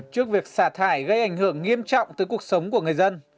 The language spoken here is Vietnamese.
trước việc xả thải gây ảnh hưởng nghiêm trọng tới cuộc sống của người dân